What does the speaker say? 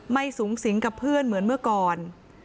ไม่สูงสิงกับเพื่อนเหมือนเมื่อก่อน